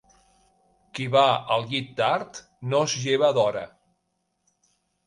Qui va al llit tard, no es lleva d'hora.